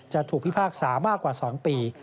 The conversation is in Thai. จะถูกพิพากษามากกว่า๒ปี